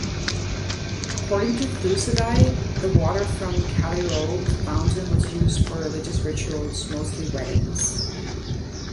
According to Thucydide, the water from Callirhoe fountain was used for religious rituals, mostly weddings.